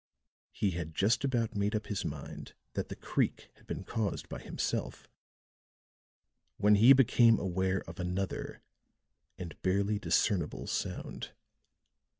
He had just about made up his mind that the creak had been caused by himself, when he became aware of another and barely discernible sound.